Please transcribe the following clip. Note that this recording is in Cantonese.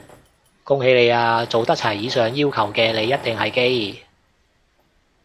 恭喜你啊，做得齊以上要求嘅你一定係基！